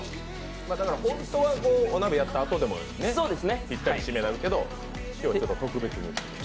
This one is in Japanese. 本当はお鍋をやったあとでもぴったり締めになるけど今日は特別に。